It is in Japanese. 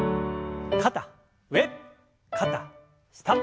肩上肩下。